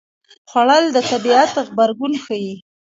خوړل د طبیعت غبرګون ښيي